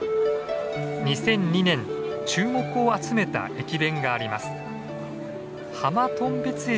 ２００２年注目を集めた駅弁があります。